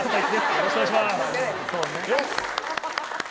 よろしくお願いします。